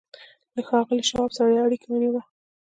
له ښاغلي شواب سره يې اړيکه ونيوه.